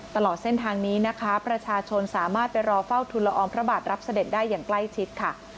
ตลอดเส้นทางนี้นะคะประชาชนสามารถไปรอเฝ้าทุนละอองพระบาทรับเสด็จได้อย่างใกล้ชิดค่ะ